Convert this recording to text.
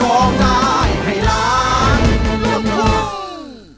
ร้องได้ให้ร้าน